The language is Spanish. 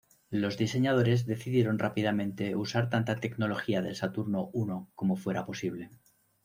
Los diseñadores decidieron rápidamente usar tanta tecnología del Saturno I como fuera posible.